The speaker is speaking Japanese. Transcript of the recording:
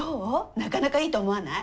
なかなかいいと思わない？